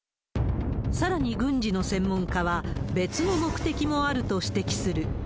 さらに軍事の専門家は、別の目的もあると指摘する。